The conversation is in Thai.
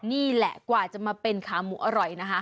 นี่แหละกว่าจะมาเป็นขาหมูอร่อยนะคะ